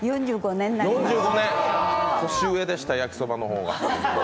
年上でした、焼きそばの方が。